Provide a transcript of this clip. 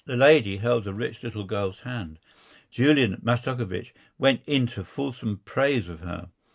The lady held the rich little girl's hand. Julian Mastakovich went into fulsome praise of her.